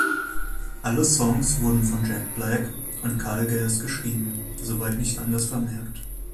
Alle Songs wurden von Jack Black und Kyle Gass geschrieben, soweit nicht anders vermerkt.